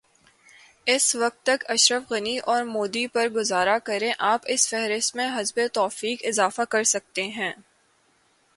اس وقت تک اشرف غنی اورمودی پر گزارا کریں آپ اس فہرست میں حسب توفیق اضافہ کرسکتے ہیں۔